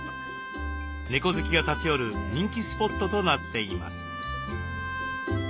猫好きが立ち寄る人気スポットとなっています。